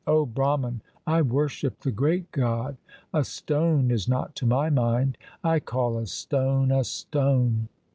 O Brahman, I worship the great God. A stone is not to my mind. I call a stone a stone.